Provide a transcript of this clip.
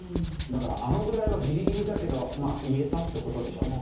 だからあのぐらいはギリギリだけどまあ言えたって事でしょうね。